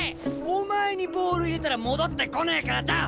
お前にボール入れたら戻ってこねえからだ！